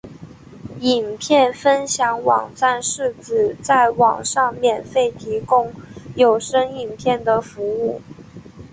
影片分享网站是指在网上免费提供有声影片的服务。